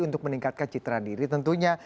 untuk meningkatkan citra diri tentunya